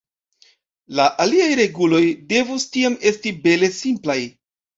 La aliaj reguloj devus tiam esti bele simplaj.